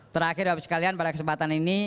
terakhir bapak sekalian pada kesempatan ini